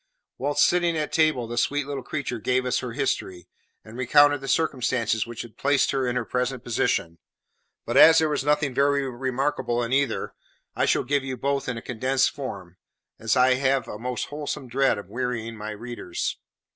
Whilst sitting at table the sweet little creature gave us her history, and recounted the circumstances which had placed her in her present position; but as there was nothing very remarkable in either, I shall give both in a condensed form, as I have a most wholesome dread of wearying my readers.